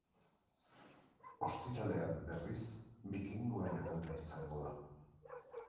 Ostiralean, berriz, bikingoen eguna izango da.